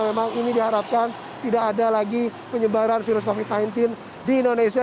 memang ini diharapkan tidak ada lagi penyebaran virus covid sembilan belas di indonesia